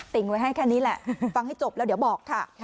ไว้ให้แค่นี้แหละฟังให้จบแล้วเดี๋ยวบอกค่ะ